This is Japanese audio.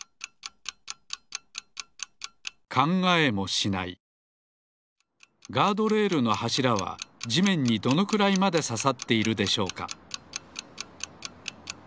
考えもしないガードレールのはしらはじめんにどのくらいまでささっているでしょうか？